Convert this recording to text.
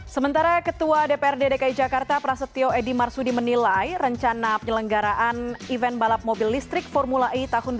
sementara ketua dprd dki jakarta prasetyo edi marsudi menilai rencana penyelenggaraan event balap mobil listrik formula e tahun dua ribu dua puluh